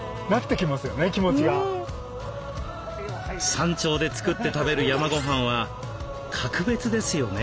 山頂で作って食べる山ごはんは格別ですよね。